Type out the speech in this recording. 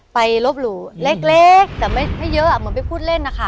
ไปลบหลู่เล็กแต่ไม่ให้เยอะเหมือนไปพูดเล่นนะคะ